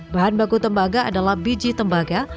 bahan baku tembaga adalah biji tembaga